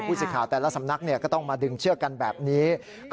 สิทธิ์แต่ละสำนักก็ต้องมาดึงเชือกกันแบบนี้